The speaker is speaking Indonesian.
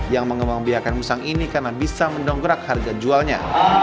yang mengembang biakan musang ini karena bisa mendongkrak harga jualnya